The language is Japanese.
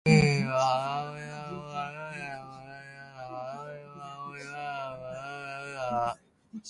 主人は鼻の下の黒い毛を撚りながら吾輩の顔をしばらく眺めておったが、